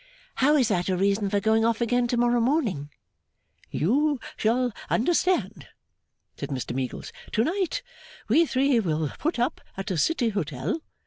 'How is that a reason for going off again to morrow morning?' 'You shall understand,' said Mr Meagles. 'To night we three will put up at a City Hotel.